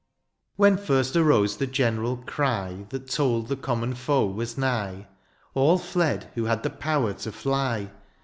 When first arose the general cry That told the conmion foe was nigh. All fled who had the power to fly.